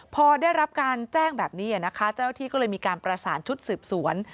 พอได้รับการแจ้งแบบนี้นะคะเจ้าที่ก็เลยมีการประสานชุดสืบสวน